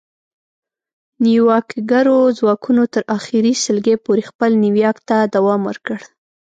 نیواکګرو ځواکونو تر اخري سلګۍ پورې خپل نیواک ته دوام ورکړ